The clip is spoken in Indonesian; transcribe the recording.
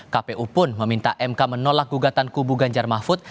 kpu pun meminta mk menolak gugatan kubu ganjar mahfud